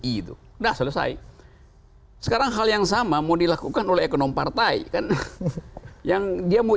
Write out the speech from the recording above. itu udah selesai sekarang hal yang sama mau dilakukan oleh ekonom partai kan yang dia mau